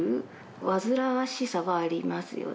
わずらわしさがありますよね。